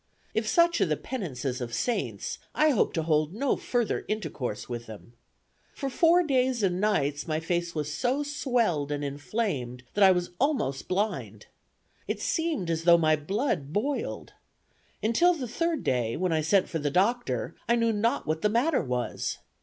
If such are the penances of saints, I hope to hold no further intercourse with them. For four days and nights my face was so swelled and inflamed, that I was almost blind. It seemed as though my blood boiled. Until the third day, when I sent for the doctor, I knew not what the matter was.